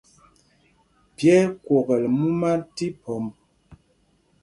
Pye ɛ́ ɛ́ kwokɛl múma tí pômb.